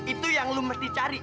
itu yang lu mesti cari